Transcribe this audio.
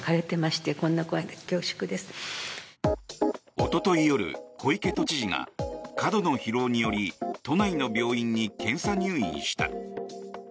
一昨日夜、小池都知事が過度の疲労により都内の病院に検査入院した。